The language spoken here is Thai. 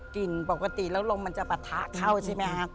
ปกติแล้วลมมันจะปะทะเข้าใช่ไหมฮะ